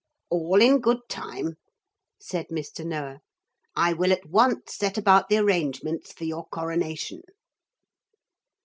'All in good time,' said Mr. Noah; 'I will at once set about the arrangements for your coronation.'